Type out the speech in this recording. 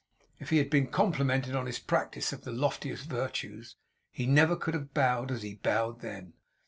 If he had been complimented on his practice of the loftiest virtues, he never could have bowed as he bowed then.